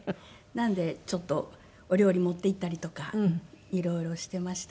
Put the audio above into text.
なのでちょっとお料理持って行ったりとか色々していました。